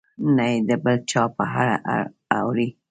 نه یې د بل چا په اړه اوري.